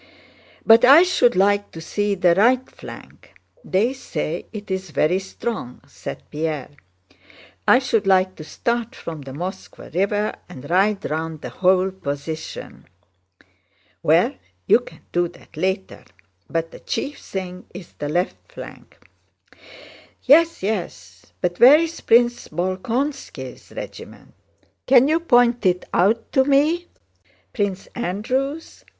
"But I should like to see the right flank. They say it's very strong," said Pierre. "I should like to start from the Moskvá River and ride round the whole position." "Well, you can do that later, but the chief thing is the left flank." "Yes, yes. But where is Prince Bolkónski's regiment? Can you point it out to me?" "Prince Andrew's?